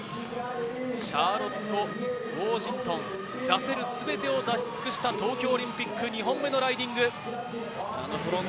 シャーロット・ウォージントン、出せるすべてを出し尽くした東京オリンピック２本目のライディング。